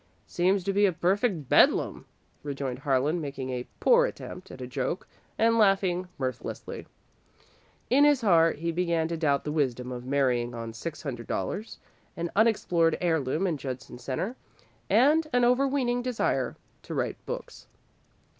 "Seems to be a perfect Bedlam," rejoined Harlan, making a poor attempt at a joke and laughing mirthlessly. In his heart he began to doubt the wisdom of marrying on six hundred dollars, an unexplored heirloom in Judson Centre, and an overweening desire to write books.